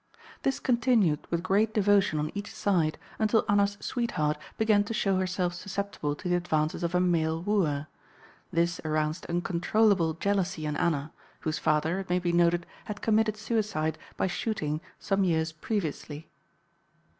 This continued, with great devotion on each side, until Anna's "sweetheart" began to show herself susceptible to the advances of a male wooer. This aroused uncontrollable jealousy in Anna, whose father, it may be noted, had committed suicide by shooting some years previously.